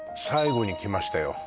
最後にきましたよ